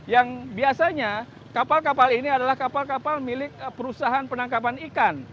yang biasanya kapal kapal ini adalah kapal kapal milik perusahaan penangkapan ikan